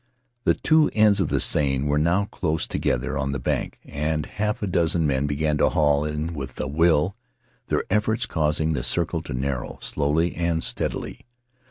The two ends of the seine were now close together on the bank, and half a dozen men began to haul in with a will, their efforts causing the circle to narrow slowly and steadily.